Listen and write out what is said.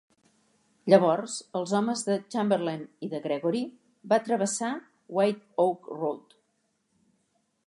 Llavors els homes de Chamberlain i de Gregory va travessar White Oak Road.